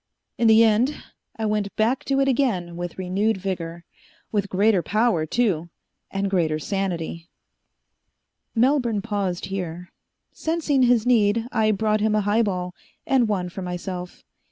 In the end, I went back to it again with renewed vigor. With greater power, too, and greater sanity." Melbourne paused here. Sensing his need, I brought him a highball, and one for myself.